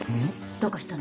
どうかしたの？